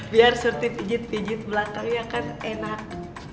biar surti pijit pijit belakangnya kan enak